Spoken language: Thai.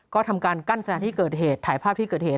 ก็ทำการกั้นสถานที่เกิดเหตุถ่ายภาพที่เกิดเหตุ